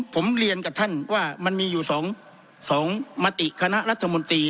ผมเรียนกับท่านว่ามันมีอยู่๒มติคณะรัฐมนตรี